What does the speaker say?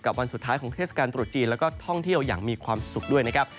วันสุดท้ายของเทศกาลตรุษจีนแล้วก็ท่องเที่ยวอย่างมีความสุขด้วยนะครับ